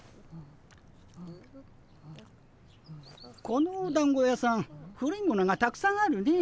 このおだんご屋さん古いものがたくさんあるね。